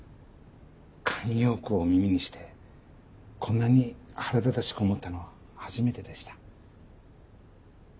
慣用句を耳にしてこんなに腹立たしく思ったのは初めてでした。